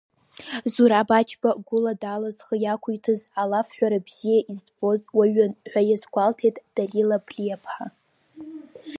Зураб Ачба гәыла-дала зхы иақәиҭыз, алаф ҳәара бзиа избоз уаҩын, ҳәа иазгәалҭеит Далила Ԥлиаԥха.